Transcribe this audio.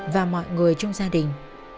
và mọi người trong gia đình